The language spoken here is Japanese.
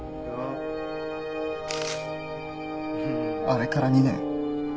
あれから２年。